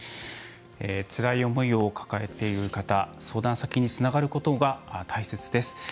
つらい思いを抱えている方相談先につながることが大切です。